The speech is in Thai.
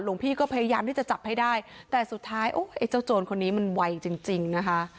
พี่ก็พยายามที่จะจับให้ได้แต่สุดท้ายไอ้เจ้าโจรคนนี้มันไวจริงจริงนะคะ